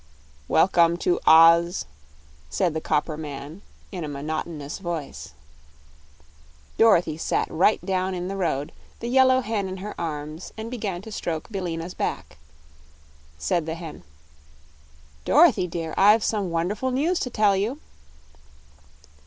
"Wel come to Oz," said the copper man in a monotonous voice. Dorothy sat right down in the road, the yellow hen in her arms, and began to stroke Billina's back. Said the hen: "Dorothy, dear, I've got some wonderful news to tell you."